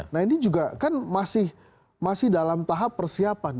nah ini juga kan masih dalam tahap persiapan